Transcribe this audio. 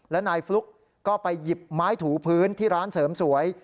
และนายฟลุ๊กก็ไปหยิบไม้ถูพื้นที่ร้านเสริมสวย